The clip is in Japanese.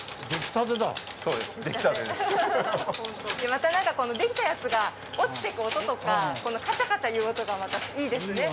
またなんかできたやつが落ちてく音とかこのカチャカチャいう音がまたいいですね。